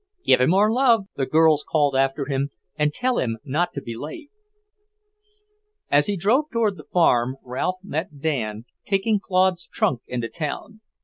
"Give him our love," the girls called after him, "and tell him not to be late." As he drove toward the farm, Ralph met Dan, taking Claude's trunk into town.